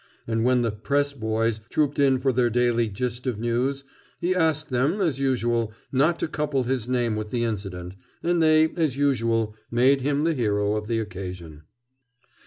And when the "press boys" trooped in for their daily gist of news, he asked them, as usual, not to couple his name with the incident; and they, as usual, made him the hero of the occasion.